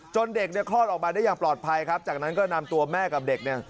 เด็กเนี่ยคลอดออกมาได้อย่างปลอดภัยครับจากนั้นก็นำตัวแม่กับเด็กเนี่ย